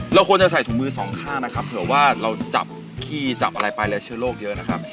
เราควรจะใส่ถุงมือสองข้างนะครับเผื่อว่าเราจับขี้จับอะไรไปแล้วเชื้อโรคเยอะนะครับ